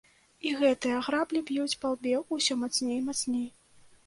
І гэтыя граблі б'юць па лбе ўсё мацней і мацней.